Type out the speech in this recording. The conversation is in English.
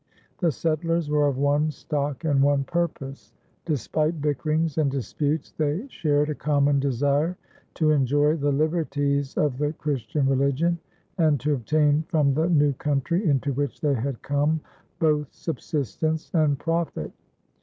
The settlers were of one stock and one purpose. Despite bickerings and disputes, they shared a common desire to enjoy the liberties of the Christian religion and to obtain from the new country into which they had come both subsistence and profit.